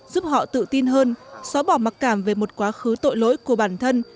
giúp họ tự tin hơn xóa bỏ mặc cảm về một quá khứ tội lỗi của bản thân